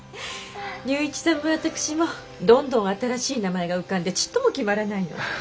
龍一さんも私もどんどん新しい名前が浮かんでちっとも決まらないの。